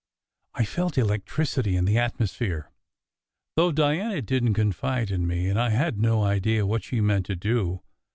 I felt electricity in the atmosphere, though Diana didn t confide in me, and I had no idea what she meant to do.